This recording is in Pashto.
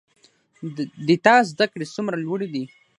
د تا زده کړي څومره لوړي دي